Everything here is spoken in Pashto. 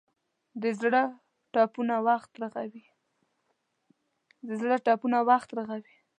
د زړه ټپونه وخت رغوي.